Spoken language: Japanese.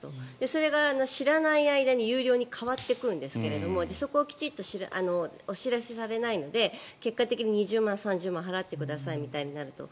それが知らない間に有料に変わってくんですけれどもそこをきちんとお知らせされないので結果的に２０万円、３０万円払ってくださいみたいになると。